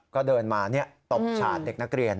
ก็เดินมาตบฉาดเด็กนักเรียน